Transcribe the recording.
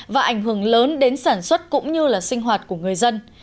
và ảnh hưởng lớn đến sản xuất cũng như là sinh hoạt của người dân